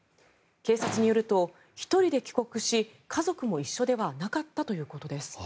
警察によると、１人で帰国し家族も一緒ではなかったということです。